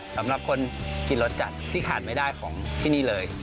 สำหรับคนกินรสจัดที่ขาดไม่ได้ของที่นี่เลย